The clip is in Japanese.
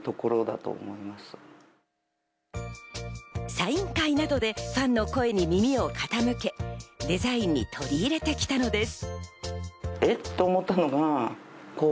サイン会などでファンの声に耳を傾け、デザインに取り入れてきたのです。